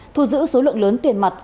thu giữ số lượng lớn tiền mặt